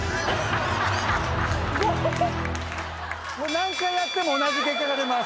何回やっても同じ結果が出ます。